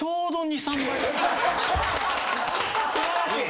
素晴らしい！